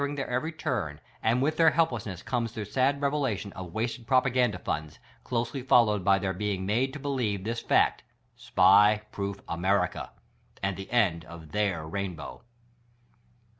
c,^ their every turn; and with their helplessness comes the sad revelation of wasted propaganda funds, closely followed hy their l)ein<2: made to believe this fact: SPY proof America!— and the end of their Rainbow.